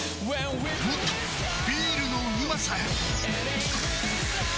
もっとビールのうまさへ！